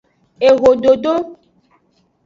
Ehododo.